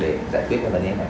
để giải quyết